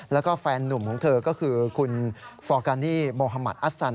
แล้วก็แฟนนุ่มของเธอก็คือคุณฟอร์กานี่โมฮามัติอัสซัน